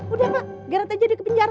udah pak garant aja dia ke penjara